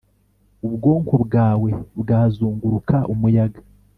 ubwonko bwawe bwazunguruka umuyaga